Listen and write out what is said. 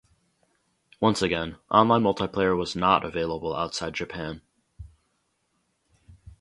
Once again, online multiplayer was not available outside Japan.